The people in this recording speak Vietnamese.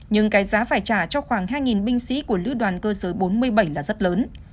nhưng cái giá phải trả cho khoảng hai binh sĩ của lữ đoàn cơ giới bốn mươi bảy là rất lớn